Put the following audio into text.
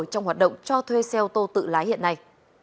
trong hoạt động cho thuê xe ô tô tự lái hiện nay